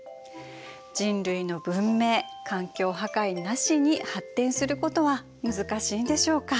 人類の文明環境破壊なしに発展することは難しいんでしょうか。